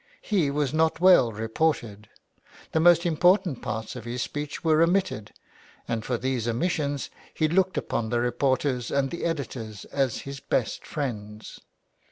He was not well reported. The most important parts of his speech were omitted and for these omissions he looked upon the reporters and the editors as his best friends.